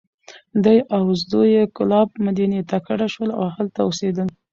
دی او زوی یې کلاب، مدینې ته کډه شول. او هلته اوسېدل.